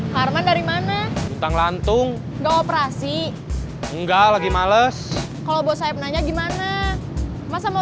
tapi kalau ini sebuah perintah